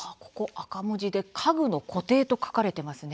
赤文字で家具の固定と書かれていますね